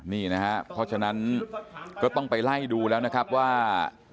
นี่นะครับเพราะฉะนั้นก็ต้องไปไล่ดูแล้วนะครับว่า